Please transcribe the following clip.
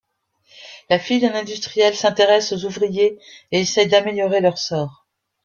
La fille d'un industriel s'intéresse aux ouvriers et essaye d'améliorer leur sort.